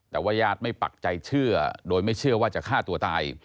แต่ว่าญาติไม่ปักใจเชื่อโดยไม่เชื่อว่าจะฆ่าตัวตาย